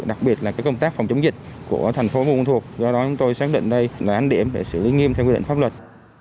đặc biệt là công tác phòng chống dịch của thành phố buôn ma thuột do đó chúng tôi xác định đây là ánh điểm để xử lý nghiêm theo quy định pháp luật